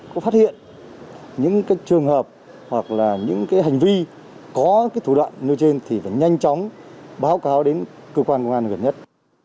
có phát hiện những trường hợp hoặc là những hành vi có thủ đoạn như trên thì phải nhanh chóng báo cáo đến cơ quan công an gần nhất